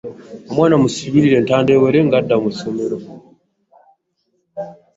Omwana musibirire entanda ewera ng'adda ku ssomero.